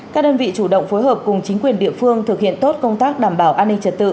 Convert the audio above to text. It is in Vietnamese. các đơn vị chủ động phối hợp cùng chính quyền địa phương thực hiện tốt công tác đảm bảo an ninh trật tự